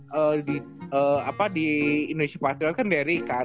pengalaman di indonesia patriot kan derick kan